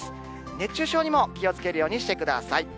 熱中症にも気をつけるようにしてください。